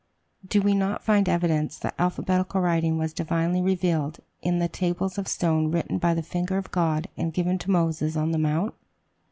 Do we not find evidence, that alphabetical writing was divinely revealed, in the tables of stone written by the finger of God and given to Moses on the Mount?